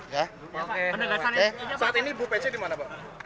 saat ini ibu pece di mana pak